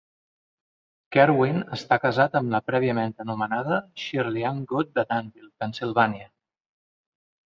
Kerwin està casat amb la prèviament anomenada Shirley Ann Good de Danville, Pennsilvània.